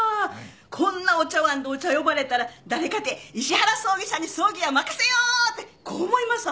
こんなお茶わんでお茶呼ばれたら誰かて石原葬儀社に葬儀は任せよう！ってこう思いますわ。